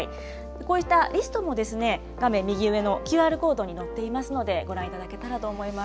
こうしたリストも画面右上のＱＲコードに載っていますので、ご覧いただけたらと思います。